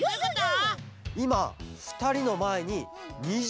いまふたりのまえに２０